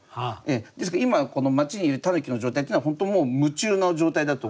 ですから今この町にいる狸の状態っていうのは本当もう霧中の状態だと思います。